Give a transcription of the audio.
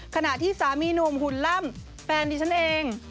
ขณะที่สามีหนุ่มหุ่นล่ำแฟนดิฉันเอง